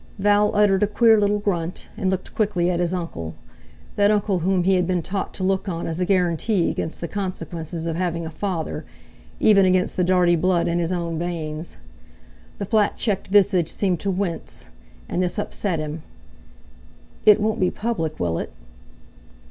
Val uttered a queer little grunt, and looked quickly at his uncle—that uncle whom he had been taught to look on as a guarantee against the consequences of having a father, even against the Dartie blood in his own veins. The flat checked visage seemed to wince, and this upset him. "It won't be public, will it?"